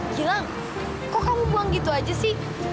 bilang kok kamu buang gitu aja sih